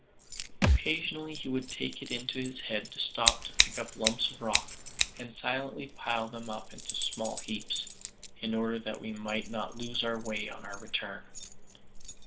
Occasionally he would take it into his head to stop to pick up lumps of rock, and silently pile them up into small heaps, in order that we might not lose our way on our return.